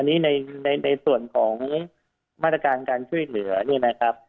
อันนี้ในส่วนของมาตรการการช่วยเหลือเนี่ยนะครับ